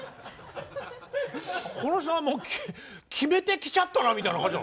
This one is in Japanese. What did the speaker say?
この人はもうキメてきちゃったなみたいな感じ。